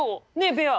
ベア。